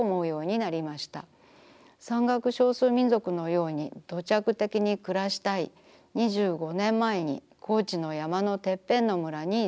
山岳少数民族のように土着的にくらしたい２５年まえに高知の山のてっぺんの村に移住しました。